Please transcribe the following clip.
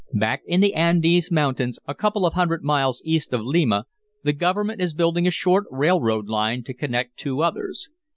Back in the Andes Mountains, a couple of hundred miles east of Lima, the government is building a short railroad line to connect two others.